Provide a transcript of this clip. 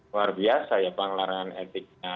luar biasa ya pengelarangan etiknya